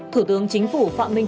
thủ tướng chính phủ phạm minh trọng